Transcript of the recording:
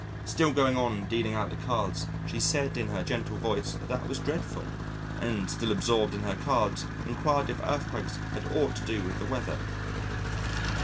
Still going on dealing out the cards, she said in her gentle voice that that was dreadful and still absorbed in her cards inquired if earthquakes had aught to do with the weather.